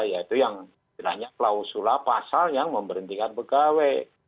yaitu yang jelahnya klausula pasal yang memberhentikan pegawai